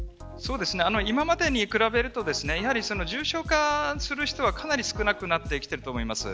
今までに比べると重症化する人はかなり少なくなっていると思います。